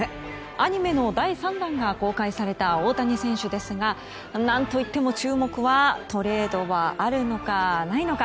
アニメの第３弾が公開された大谷選手ですが何といっても注目はトレードはあるのかないのか。